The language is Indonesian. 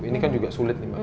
ini kan juga sulit nih mbak